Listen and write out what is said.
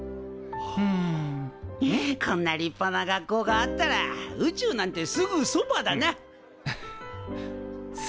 こんな立派な学校があったら宇宙なんてすぐそばだな。